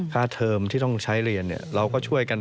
ค่าเทอมที่ต้องใช้เรียนเนี่ยเราก็ช่วยกัน